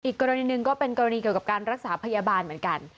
อีกกรณีหนึ่งก็เป็นกรณีเกี่ยวกับการรักษาพยาบาลเหมือนกัน